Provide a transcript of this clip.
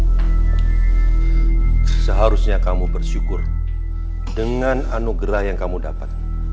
kau seharusnya bersyukur dengan anugerah yang kamu dapat